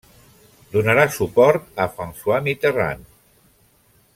Donarà suport a François Mitterrand.